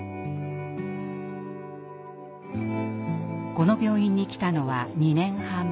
この病院に来たのは２年半前。